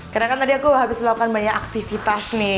karena kan tadi aku habis melakukan banyak aktivitas nih